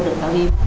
nó đã khô rồi